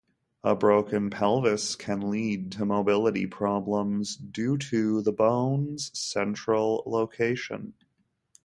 A broken pelvis can lead to mobility problems due to the bone's central location.